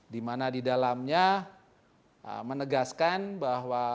dimana di dalamnya menegaskan bahwa